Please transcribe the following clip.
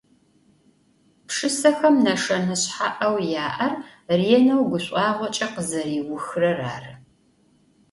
Pşşıseme neşşene şsha'eu ya'er rêneu guş'uağoç'e khızeriuxırer arı.